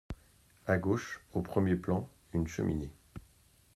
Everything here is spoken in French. À gauche, au premier plan, une cheminée.